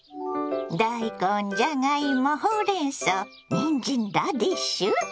大根じゃがいもほうれんそうにんじんラディッシュ！